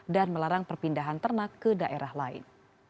dan melarang perpindahan ternak ke daerah lain